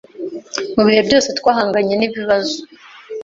mu bihe byose twahanganye n’ibibazo